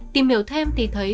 tìm hiểu thêm thì thấy